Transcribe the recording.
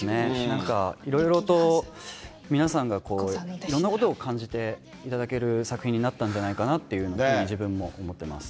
なんかいろいろと皆さんがいろんなことを感じていただける作品になったんじゃないかなというふうに自分も思ってます。